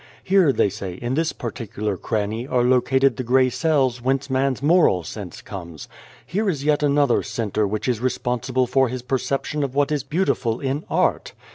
Here, they say, in this particular cranny, are located the grey cells whence man's moral sense comes ; here is yet another centre which is responsible for his perception of what is beautiful in art.